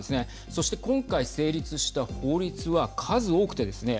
そして今回成立した法律は数多くてですね